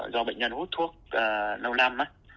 do bệnh nhân hút thuốc lâu năm á